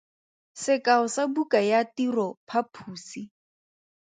Sekao sa buka ya tiro phaposi.